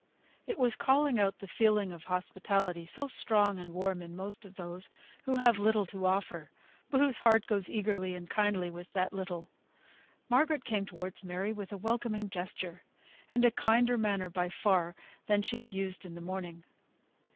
It was calling out the feeling of hospitality, so strong and warm in most of those who have little to offer, but whose heart goes eagerly and kindly with that little. Margaret came towards Mary with a welcoming gesture, and a kinder manner by far than she had used in the morning.